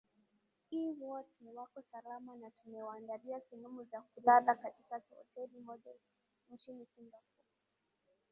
i wote wako salama na tunewaandalia sehemu za kulala katika hoteli moja nchini singapore